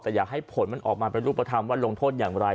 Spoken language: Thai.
แต่อยากให้ผลมันออกมาเป็นรูปธรรมว่าลงโทษอย่างไร